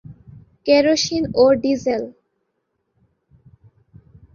Kerosene ও diesel.